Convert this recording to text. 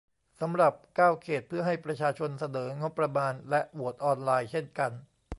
สำหรับ เก้า เขต เพื่อให้ประชาชนเสนองบประมาณ และ โหวตออนไลน์เช่นกัน